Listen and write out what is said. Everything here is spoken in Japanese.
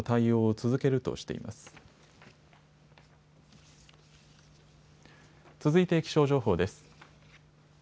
続いて気象情報です。